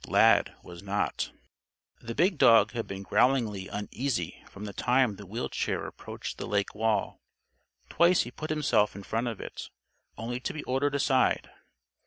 Lad was not. The big dog had been growingly uneasy from the time the wheel chair approached the lake wall. Twice he put himself in front of it; only to be ordered aside.